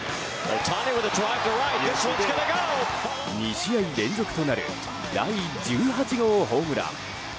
２試合連続となる第１８号ホームラン。